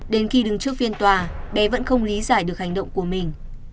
đến khi đứng trước phiên tòa bé vẫn không lý giải được hành động của mình